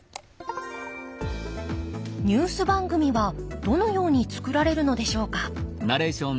ニュース番組はどのように作られるのでしょうか。